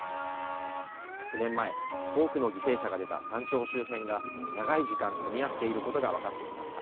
９年前、多くの犠牲者が出た山頂周辺が長い時間混み合っていることが分かってきました。